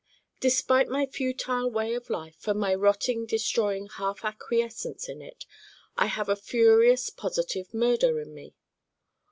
Despite my futile way of life and my rotting destroying half acquiescence in it I have a furious positive Murder in me.